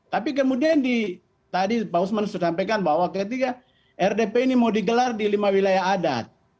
tapi kemudian di tadi pak usman sudah sampaikan bahwa ketika rdp ini mau digelar di lima wilayah adat